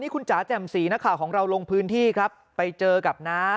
คุณจ๋าแจ่มสีนักข่าวของเราลงพื้นที่ครับไปเจอกับน้า